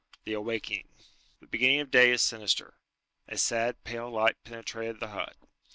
THE AWAKING. The beginning of day is sinister. A sad pale light penetrated the hut.